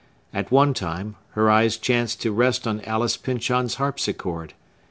At one time, her eyes chanced to rest on Alice Pyncheon's harpsichord.